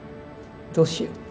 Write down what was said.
どうしようって。